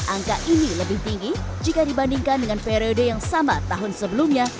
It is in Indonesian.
angka ini lebih tinggi jika dibandingkan dengan periode yang sama tahun sebelumnya